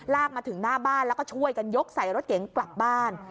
มาถึงหน้าบ้านแล้วก็ช่วยกันยกใส่รถเก๋งกลับบ้าน